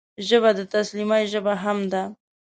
ژبه د تسلیمۍ ژبه هم ده